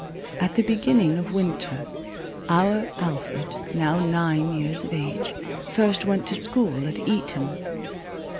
At the beginning of winter our Alfred, now nine years of age, first went to school at Eton.